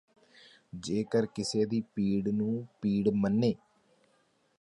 ਜੇ ਕਰ ਕਿਸੇ ਦੀ ਪੀੜ ਨੂੰ ਪੀੜ ਮੰਨੇ